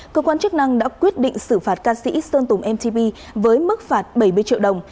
cơ quan chức năng đã quyết định xử phạt ca sĩ sơn tùng mtb với mức phạt bảy mươi triệu đồng